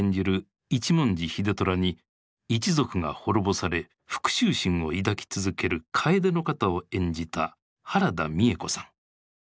一文字秀虎に一族が滅ぼされ復讐心を抱き続ける楓の方を演じた原田美枝子さん。